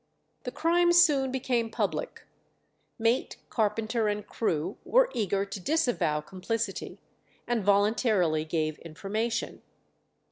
The crime soon became public. Mate, carpenter, and crew were eager to disavow complicity, and voluntarily gave information.